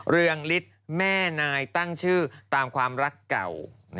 เรืองฤทธิ์แม่นายตั้งชื่อตามความรักเก่า